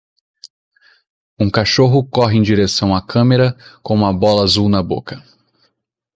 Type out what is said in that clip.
Um cachorro corre em direção à câmera com uma bola azul na boca.